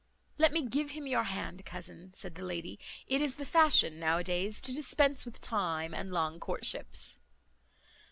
"Let me give him your hand, cousin," said the lady. "It is the fashion now a days to dispense with time and long courtships."